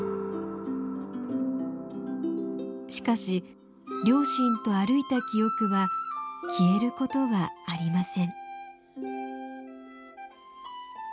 しかし両親と歩いた記憶は消えることはありません。